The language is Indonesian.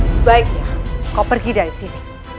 sebaiknya kau pergi dari sini